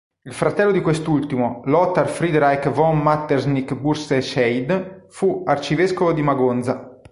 Il fratello di quest'ultimo, Lothar Friedrich von Metternich-Burscheid fu arcivescovo di Magonza.